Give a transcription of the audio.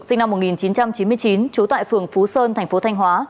sinh năm một nghìn chín trăm chín mươi chín chú tại phường phú sơn tp thanh hóa